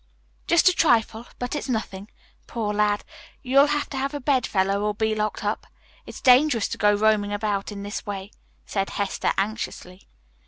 "Just a trifle, but it's nothing. Poor lad, you'll have to have a bedfellow or be locked up; it's dangerous to go roaming about in this way," said Hester anxiously.